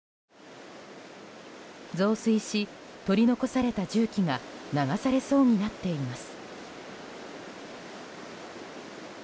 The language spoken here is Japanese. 増水し、取り残された重機が流されそうになっています。